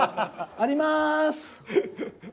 あります！